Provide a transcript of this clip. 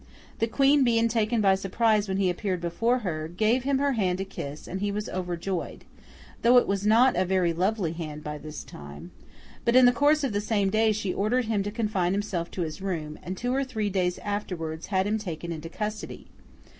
The Queen being taken by surprise when he appeared before her, gave him her hand to kiss, and he was overjoyed—though it was not a very lovely hand by this time—but in the course of the same day she ordered him to confine himself to his room, and two or three days afterwards had him taken into custody.